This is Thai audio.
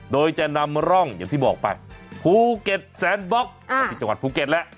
โดยจะนำร่องอย่างที่บอกไปภูเก็ตแซนบล็อกที่จังหวัดภูเก็ตแล้ว